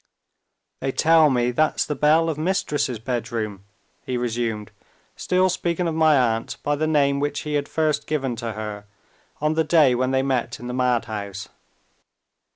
"They tell me that's the bell of Mistress's bedroom," he resumed, still speaking of my aunt by the name which he had first given to her on the day when they met in the madhouse.